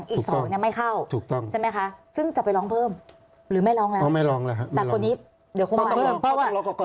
อีก๒ไม่เข้าใช่ไหมคะซึ่งจะไปล้องเพิ่มหรือไม่ล้องแล้วครับดังคนนี้เดี๋ยวคุณมา